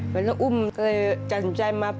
แฟนต้องอุ้มก็เลยจัดสนใจมา